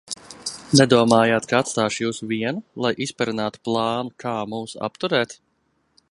Nedomājāt, ka atstāšu jūs vienu, lai izperinātu plānu, kā mūs apturēt?